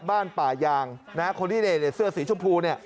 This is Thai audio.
บ้านป่ายางคนที่ในเสื้อสีชมพู